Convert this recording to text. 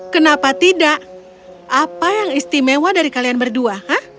kenapa tidak apa yang istimewa dari kalian berdua